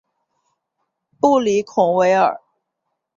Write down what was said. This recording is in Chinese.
布里孔维尔。